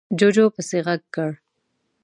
جُوجُو پسې غږ کړ: